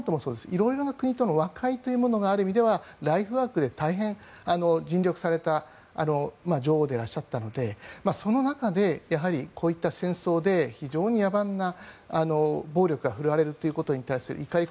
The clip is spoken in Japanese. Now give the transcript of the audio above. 色々な国との和解というものがある意味ではライフワークで大変尽力された女王でいらっしゃったのでその中でやはりこういった戦争で非常に野蛮な暴力が振るわれるということに対する怒り